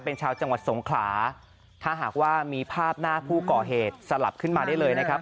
เป็นชาวจังหวัดสงขลาถ้าหากว่ามีภาพหน้าผู้ก่อเหตุสลับขึ้นมาได้เลยนะครับ